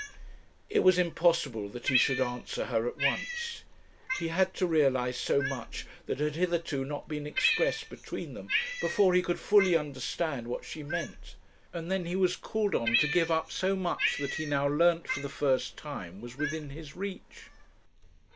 It was impossible that he should answer her at once. He had to realize so much that had hitherto not been expressed between them, before he could fully understand what she meant; and then he was called on to give up so much that he now learnt for the first time was within his reach!